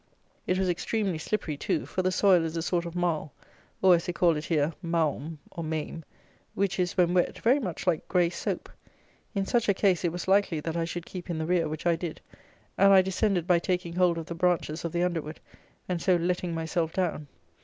It was extremely slippery too; for the soil is a sort of marle, or, as they call it here, maume, or mame, which is, when wet, very much like grey soap. In such a case it was likely that I should keep in the rear, which I did, and I descended by taking hold of the branches of the underwood, and so letting myself down.